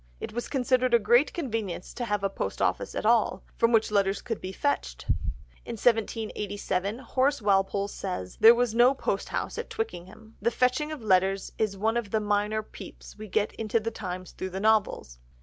It was considered a great convenience to have a post office at all, from which letters could be fetched. In 1787, Horace Walpole says there was no posthouse at Twickenham. The fetching of letters is one of the minor peeps we get into the times through the novels.